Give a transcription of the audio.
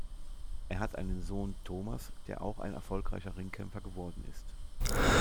Er hat einen Sohn, Thomas, der auch ein erfolgreicher Ringkämpfer geworden ist.